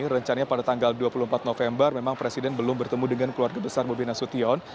rencananya pada tanggal dua puluh empat november memang presiden belum bertemu dengan keluarga besar bobi nasution